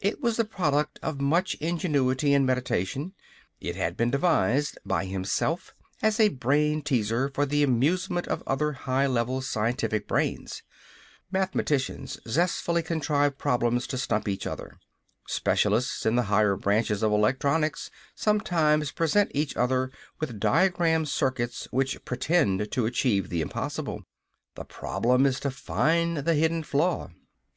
It was the product of much ingenuity and meditation. It had been devised by himself as a brain teaser for the amusement of other high level scientific brains. Mathematicians zestfully contrive problems to stump each other. Specialists in the higher branches of electronics sometimes present each other with diagrammed circuits which pretend to achieve the impossible. The problem is to find the hidden flaw.